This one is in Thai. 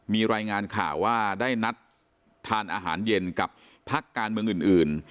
มีรายงานข่าวว่าได้นัดทานอาหารเย็นกับพักการเมืองอื่น